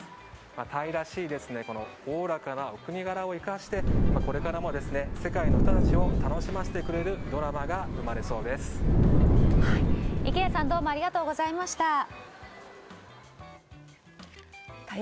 タイらしいおおらかなお国柄を生かしてこれからも世界の人たちを楽しませてくれる池谷さんどうもありがとうございました。